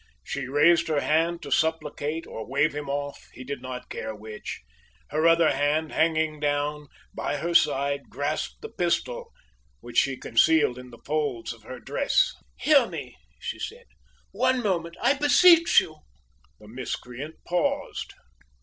She raised her hand to supplicate or wave him off, he did not care which her other hand, hanging down by her side, grasped the pistol, which she concealed in the folds of her dress. "Hear me," she said, "one moment, I beseech you!" The miscreant paused.